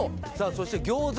そして餃子